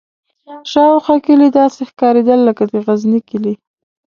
شاوخوا کلي داسې ښکارېدل لکه د غزني کلي.